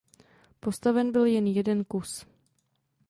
Postaven byl jen jeden kus.